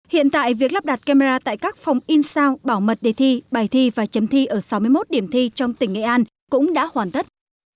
hiện tại việc lắp đặt camera tại các phòng in sao bảo mật đề thi bài thi và chấm thi ở sáu mươi một điểm thi trong tỉnh nghệ an cũng đã hoàn tất